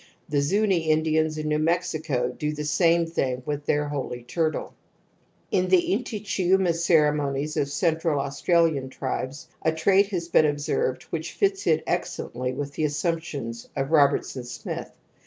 The Zuni Indians in New Mexico do the same thing with their holy turtle. In the Intichiuma ceremonies of Central Aus tralian tribes a trait has been observed which fits in excellently with the assxmiptions of Robertson Smith.